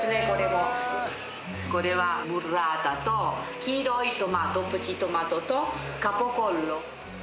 これもこれはブッラータと黄色いトマトプチトマトとカポコッロ